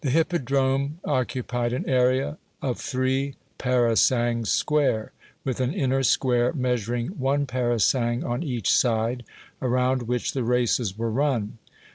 The hippodrome occupied an area of three parasangs square, with an inner square measuring one parasang on each side, around which the races were run.